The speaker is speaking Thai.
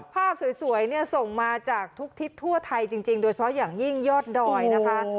ภาพสวยเนี่ยส่งมาจากทุกทิศทั่วไทยจริงโดยเฉพาะอย่างยิ่งยอดดอยนะคะ